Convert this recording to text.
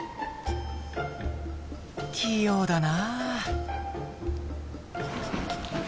器用だな。